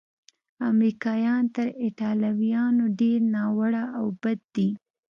امریکایان تر ایټالویانو ډېر ناوړه او بد دي.